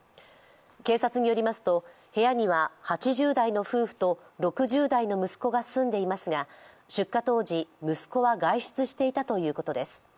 警察によりますと、部屋には８０代の夫婦と６０代の息子が住んでいますが出火当時、息子は外出していたということです。